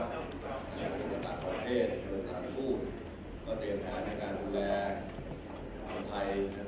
เราจะมีการดูแลคนไทยในของเรื่อง